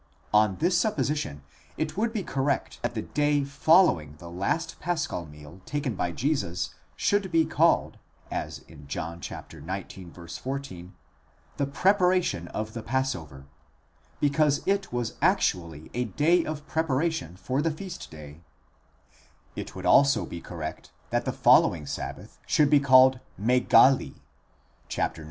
On this supposition, it would be correct that the day following the last paschal . meal taken by Jesus, should be called, as in John xix. 14, the preparation of the passover, παρασκευὴ τοῦ πάσχα, because it was actually a day of preparation for the feast day ; it would also be correct that the following sabbath should be called μεγάλη (xix.